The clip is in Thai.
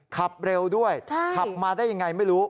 ขับเร็วด้วยขับมาได้ยังไงไม่รู้